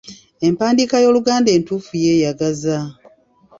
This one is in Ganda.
Empandiika y’Oluganda entuufu yeeyagaza.